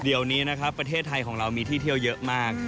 เดี๋ยวนี้นะครับประเทศไทยของเรามีที่เที่ยวเยอะมาก